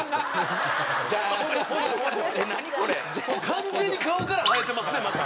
完全に顔から生えてますねまた。